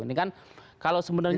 ini kan kalau sebenarnya